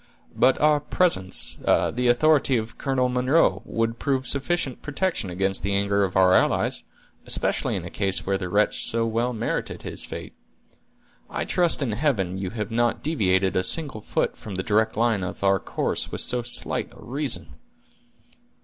"But our presence—the authority of Colonel Munro—would prove sufficient protection against the anger of our allies, especially in a case where the wretch so well merited his fate. I trust in Heaven you have not deviated a single foot from the direct line of our course with so slight a reason!"